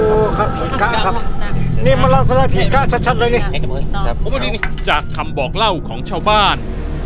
โอ้โหครับผีกะครับนี่มันล่าสลายผีกะชัดชัดเลยนี่จากคำบอกเล่าของเช้าบ้าน